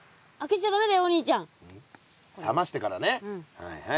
はいはい。